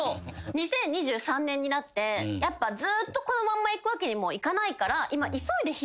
２０２３年になってずっとこのまんまいくわけにもいかないから今。